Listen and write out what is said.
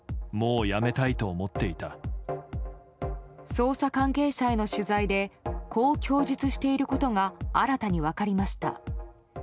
捜査関係者への取材でこう供述していることが新たに分かりました。